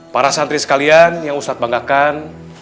para santri sekalian yang ustadz banggakan